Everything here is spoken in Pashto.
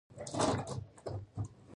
د زکام لپاره د مرغۍ ښوروا وڅښئ